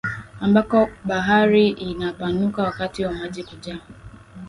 ambako bahari inapanuka wakati wa maji kujaa